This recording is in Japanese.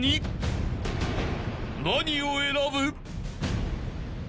［何を選ぶ？］